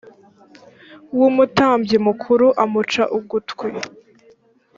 w umutambyi mukuru amuca ugutwi